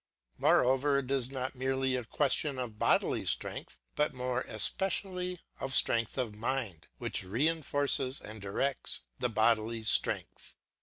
Moreover, it is not merely a question of bodily strength, but more especially of strength of mind, which reinforces and directs the bodily strength.